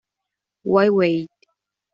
Why wait?